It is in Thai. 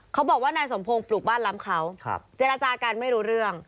เขาบอกว่านายสมพงศ์ปลูกบ้านล้ำเขาเจรจากันไม่รู้เรื่อง